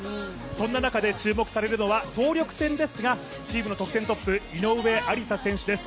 そんな中で注目されるのは総力戦ですがチームの得点トップ井上愛里沙選手です。